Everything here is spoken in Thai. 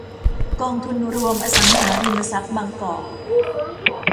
กองทุนรวมอสังหาริมทรัพย์บางกอก